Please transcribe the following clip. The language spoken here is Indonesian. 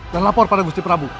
dan lapor pada gusti prabu